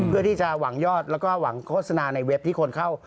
เพื่อที่จะหวังยอดแล้วก็หวังโฆษณาในเว็บที่คนเข้า